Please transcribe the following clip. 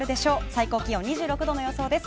最高気温２６度の予想です。